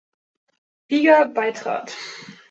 Liga beitrat.